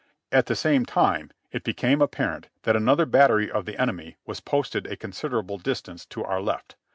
At the same time it became apparent that another bat tery of the enemy was posted a considerable distance to our left.